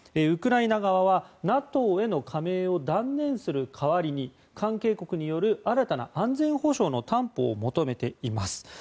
ウクライナ側はＮＡＴＯへの加盟を断念する代わりに関係国による新たな安全保障の担保を求めています。